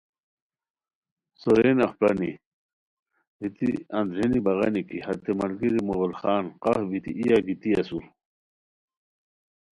سورین اف پرانی دیتی اندرینی بغانی کی ہتے ملگیری مغل خان قاف بیتی اِیا گیتی اسور